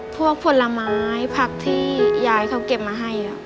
ผลไม้ผักที่ยายเขาเก็บมาให้